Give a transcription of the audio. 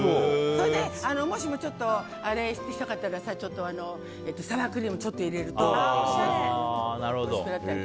それで、もしもちょっとあれしたかったらさサワークリームをちょっと入れるとおいしくなったり。